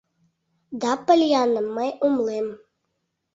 — Да, Поллианна, мый умылем.